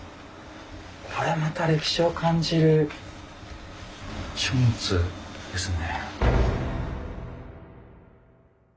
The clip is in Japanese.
これまた歴史を感じる書物ですね。